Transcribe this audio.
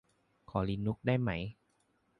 ขอลีนุกซ์ได้ไหม